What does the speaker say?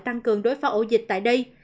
tăng cường đối phó ổ dịch tại đây